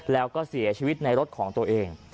แล้วก็เสียชีวิตในรถของตัวเอง